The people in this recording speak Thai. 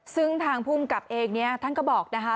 ซึ่งทางภูมิกับเองเนี่ยท่านก็บอกนะคะ